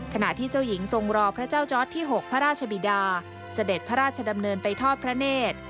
ขณะที่เจ้าหญิงทรงรอพระเจ้าจอร์ดที่๖พระราชบิดาเสด็จพระราชดำเนินไปทอดพระเนธ